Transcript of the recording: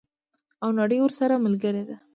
او نړۍ ورسره ملګرې ده.